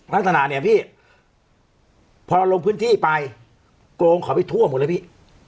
ลักษณะเนี่ยพี่พอลงพื้นที่ไปโกงเขาไปทั่วหมดเลยพี่